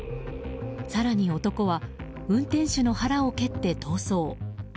更に男は運転手の腹を蹴って逃走。